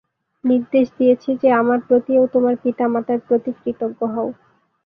নির্দেশ দিয়েছি যে, আমার প্রতি ও তোমার পিতা-মতার প্রতি কৃতজ্ঞ হও।